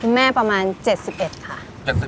แม่ประมาณ๗๑ค่ะ